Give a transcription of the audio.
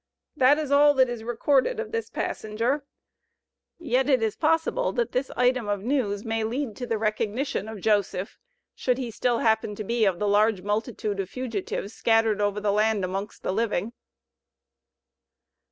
This is all that is recorded of this passenger, yet it is possible that this item of news may lead to the recognition of Joseph, should he still happen to be of the large multitude of fugitives scattered over the land amongst the living.